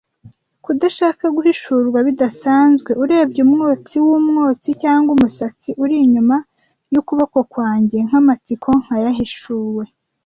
Kudashaka guhishurwa bidasanzwe, urebye umwotsi wumwotsi cyangwa umusatsi uri inyuma yukuboko kwanjye nkamatsiko nkayahishuwe,